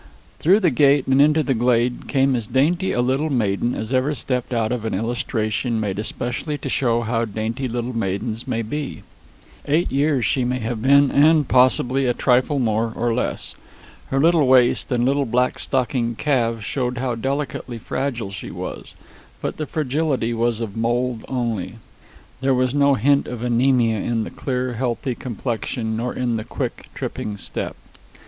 Through the gate and into the glade came as dainty a little maiden as ever stepped out of an illustration made especially to show how dainty little maidens may be. Eight years she might have been, and, possibly, a trifle more, or less. Her little waist and little black stockinged calves showed how delicately fragile she was; but the fragility was of mould only. There was no hint of anemia in the clear, healthy complexion nor in the quick, tripping step.